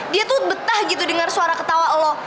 dia tuh betah gitu dengar suara ketawa lo